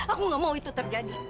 aku gak mau itu terjadi